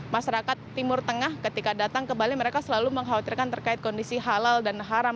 masyarakat timur tengah ketika datang ke bali mereka selalu mengkhawatirkan terkait kondisi halal dan haram